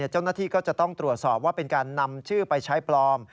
เจ้าหน้าที่ก็จะต้องตรวจสอบว่าเป็นการนำชื่อไปใช้ปลอม